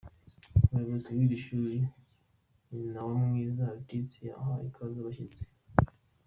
Umuyobozi w'iri shuri Nyinawamwiza Laetitia aha ikaze abashyitsi.